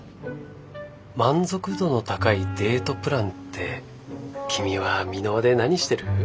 満足度の高いデートプランって君は美ノ和で何してる？